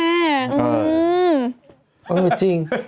แปลว่าจริง